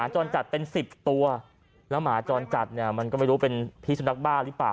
จรจัดเป็น๑๐ตัวแล้วหมาจรจัดเนี่ยมันก็ไม่รู้เป็นพิสุนักบ้าหรือเปล่า